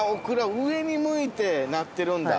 上に向いてなってるんだ。